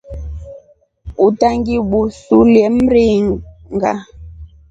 Utangibusulie mringa.